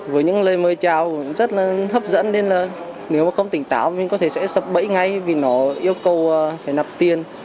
với những lời mời chào rất là hấp dẫn nên là nếu mà không tỉnh táo mình có thể sẽ sập bẫy ngay vì nó yêu cầu phải nạp tiền